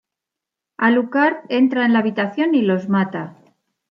Alucard entra en la habitación y los mata.